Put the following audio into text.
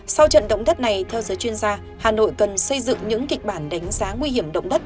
sau trận động đất này theo giới chuyên gia hà nội cần xây dựng những kịch bản đánh giá nguy hiểm động đất